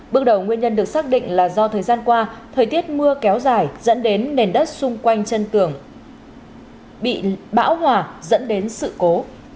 bước đầu nguyên nhân được xác định là do thời gian qua thời tiết mưa kéo dài dẫn đến nền đất xung quanh chân tường bị bão hòa dẫn đến sự cố